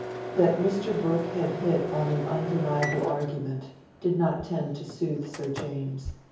That Mr. Brooke had hit on an undeniable argument, did not tend to soothe Sir James.